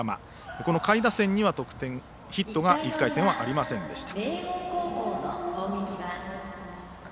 この下位打線には、ヒットが１回戦はありませんでした。